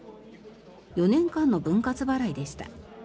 ４年間の分割払いでした。